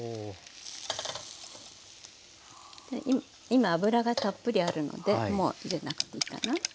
今油がたっぷりあるのでもう入れなくていいかな。